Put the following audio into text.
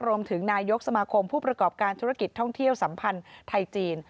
รวมถึงนายกสมาคมผู้ประกอบการธุรกิจท่องเที่ยวสัมพันธ์ไทยจีน